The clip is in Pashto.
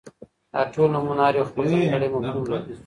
داټول نومونه هر يو خپل ځانګړى مفهوم ،